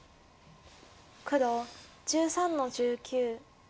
黒１３の十九。